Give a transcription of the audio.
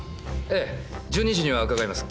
１２時には伺います。